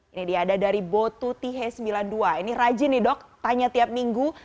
ini dia ada dari botu th sembilan puluh dua ini rajin nih dok tanya tiap minggu